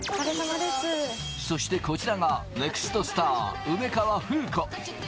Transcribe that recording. そしてこちらがネクストスター、梅川風子。